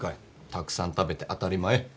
たくさん食べて当たり前。